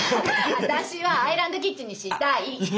私はアイランドキッチンにしたい。